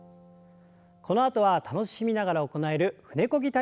このあとは楽しみながら行える舟こぎ体操です。